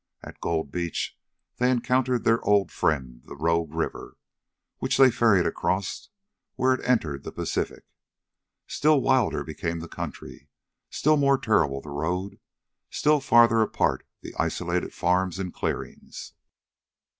At Gold Beach they encountered their old friend, the Rogue River, which they ferried across where it entered the Pacific. Still wilder became the country, still more terrible the road, still farther apart the isolated farms and clearings.